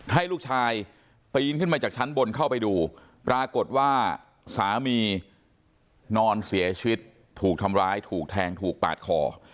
ให้ลูกชายปีนขึ้นมาจากชั้นบนเข้าไปดูปรากฏว่าสามีนอนเสียชีวิตถูกทำร้ายถูกแทงถูกปาดคอ